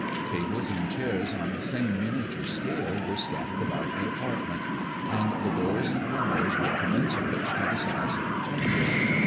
Tables and chairs on the same miniature scale were scattered about the apartment, and the doors and windows were commensurate to the size of the chamber.